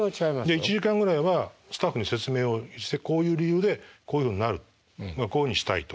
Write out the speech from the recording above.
１時間ぐらいはスタッフに説明をしてこういう理由でこういうふうになるこういうふうにしたいとか。